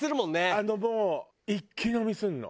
あのもう一気飲みするの。